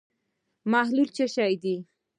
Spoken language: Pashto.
محلول څه شی دی.